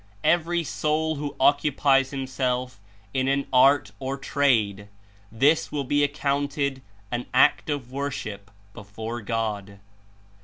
Every soul who occupies himself In an art or trade — this will be ac counted an act of worship before God.